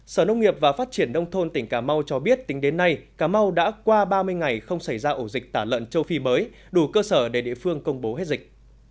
sở nông nghiệp và phát triển nông thôn tỉnh cà mau cho biết tính đến nay cà mau đã qua ba mươi ngày không xảy ra ổ dịch tả lợn châu phi mới đủ cơ sở để địa phương công bố hết dịch